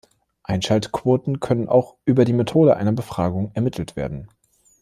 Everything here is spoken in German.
Einschaltquoten können auch über die Methode einer Befragung ermittelt werden.